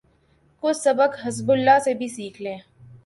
کچھ سبق حزب اللہ سے بھی سیکھ لیں۔